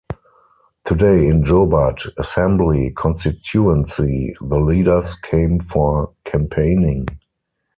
Today in Jobat assembly constituency the leaders came for campaigning.